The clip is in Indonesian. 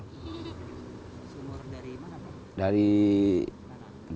sumur dari mana